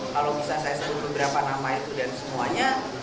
kalau bisa saya sebut beberapa nama itu dan semuanya